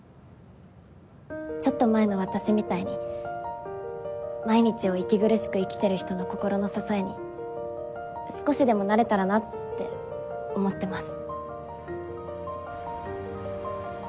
ちょっと前の私みたいに毎日を息苦しく生きてる人の心の支えに少しでもなれたらなって思ってます。